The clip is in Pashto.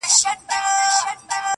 درې څلور يې وه غوايي په طبیله کي،